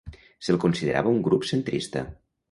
Se'l considerava un grup centrista.